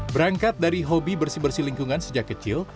berangkat dari hobi bersih bersih lingkungan sejak kecil